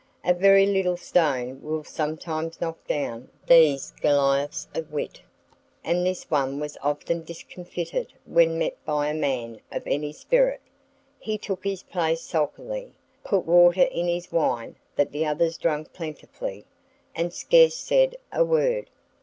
A very little stone will sometimes knock down these Goliaths of wit; and this one was often discomfited when met by a man of any spirit; he took his place sulkily, put water in his wine that the others drank plentifully, and scarce said a word.